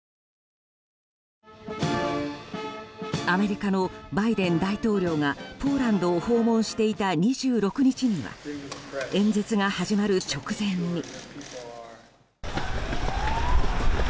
アメリカのバイデン大統領がポーランドを訪問していた２６日には演説が始まる直前に。